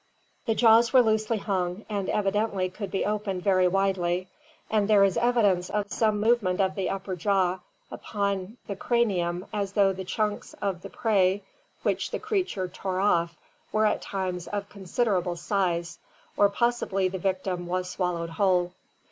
The jaws were loosely hung and evidently could be opened very widely, and there is evidence of some movement of the upper jaw upon tie cranium as though the chunks of the prey which the creature tore off were at times of considerable size or possibly the victim was swallowed whole.